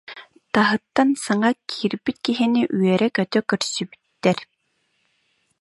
Таһыттан саҥа киирбит киһини үөрэ-көтө көрсүбүттэр